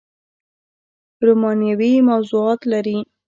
رومانوي موضوعات لري